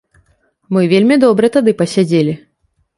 Мы вельмі добра тады пасядзелі.